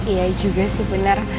iya juga sih bener